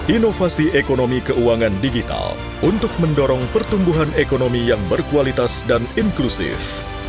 inovasi ekonomi keuangan digital untuk mendorong pertumbuhan ekonomi yang berkualitas dan inklusif